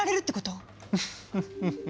ウフフフフ。